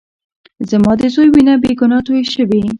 زما د زوى وينه بې ګناه تويې شوې.